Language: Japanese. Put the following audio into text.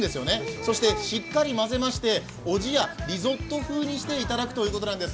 そしてしっかり混ぜまして、おじやリゾット風にして頂くということなんです。